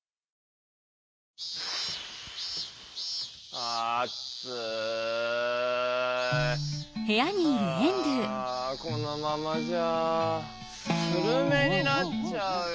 あこのままじゃスルメになっちゃうよ。